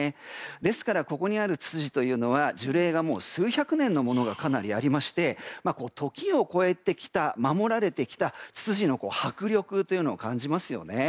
ですからここにあるツツジというのは樹齢が数百年のものがかなりありまして時を越えて守られてきたツツジの迫力を感じますよね。